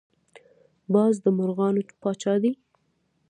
باز د مرغانو پاچا دی